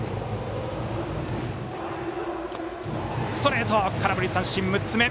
ストレートで空振り三振、６つ目。